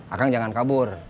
akang jangan kabur